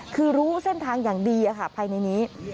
คือรู้เส้นทางอย่างดีภายในนี้